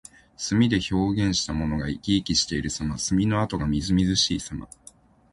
墨で表現したものが生き生きしているさま。墨の跡がみずみずしいさま。